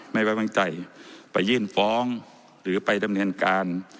ไม่ไว้วางใจไปยื่นฟ้องหรือไปดำเนินการ